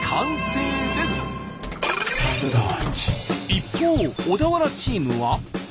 一方小田原チームは。